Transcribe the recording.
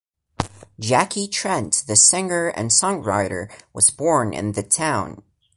Jackie Trent, the singer and songwriter, was born in the town.